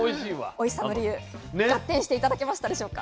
おいしさの理由ガッテンして頂けましたでしょうか。